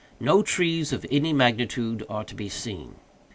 No trees of any magnitude are to be seen.